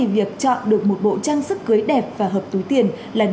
việc chọn được một bộ trang sức cưới đẹp và hợp túi tiền là